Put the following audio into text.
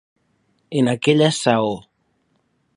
En aquella saó.